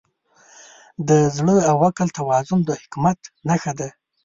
د زړه او عقل توازن د حکمت نښه ده.